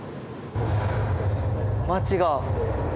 街が。